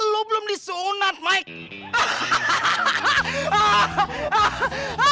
lo belum disunat mike